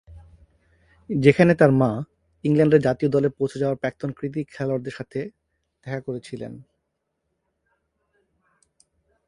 যেখানে তার মা, ইংল্যান্ডের জাতীয় দলে পৌঁছে যাওয়া প্রাক্তন কৃতি খেলোয়াড়ের সাথে দেখা করেছিলেন।